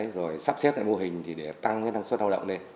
rồi sắp xếp mô hình để tăng năng suất hoa động lên